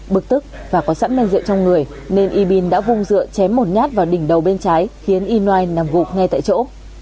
bực tức và có sẵn men rượu trong người nên yibin đã vung dựa chém một nhát vào đỉnh đầu bên trái khiến inoai nằm gục ngay tại chỗ